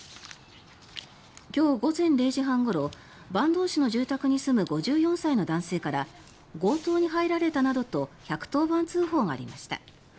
今日午前０時半ごろ坂東市の住宅に住む５４歳の男性から強盗に入られたなどと１１０番通報がありました。